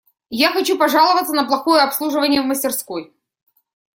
Я хочу пожаловаться на плохое обслуживание в мастерской.